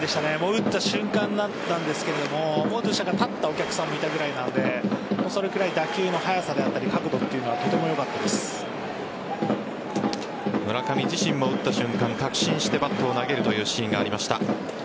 打った瞬間だったんですが立ったお客さんもいたぐらいなのでそれくらい打球の速さであったり角度というのは村上自身も打った瞬間確信してバットを投げるというシーンがありました。